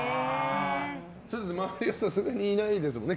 周りはさすがにいないですよね？